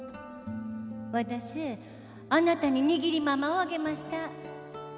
ワダスあなたに握りままをあげました。